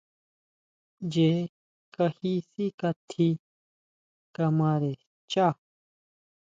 Ñee kaji síkʼatji kamare xchá.